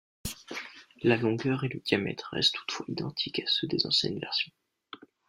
La longueur et le diamètre restent toutefois identiques à ceux des anciennes versions.